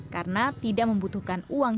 karena tidak membutuhkan uang